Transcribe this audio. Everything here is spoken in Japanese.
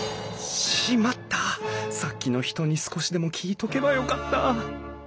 さっきの人に少しでも聞いとけばよかった